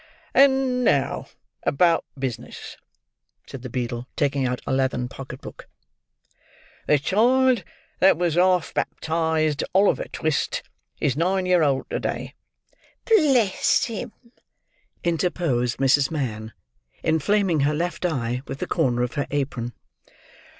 "And now about business," said the beadle, taking out a leathern pocket book. "The child that was half baptized Oliver Twist, is nine year old to day." "Bless him!" interposed Mrs. Mann, inflaming her left eye with the corner of her apron.